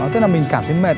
tức là mình cảm thấy mệt